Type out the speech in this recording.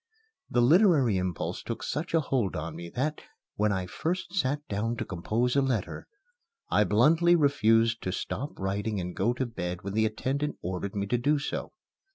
The literary impulse took such a hold on me that, when I first sat down to compose a letter, I bluntly refused to stop writing and go to bed when the attendant ordered me to do so.